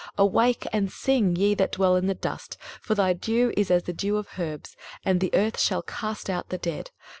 Awake and sing, ye that dwell in dust: for thy dew is as the dew of herbs, and the earth shall cast out the dead.